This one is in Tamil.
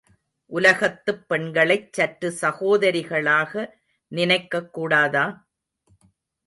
உலகத்துப் பெண்களைச் சற்று சகோதரிகளாக நினைக்கக்கூடாதா?